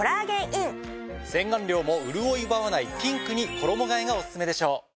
洗顔料もうるおい奪わないピンクに衣替えがオススメでしょう。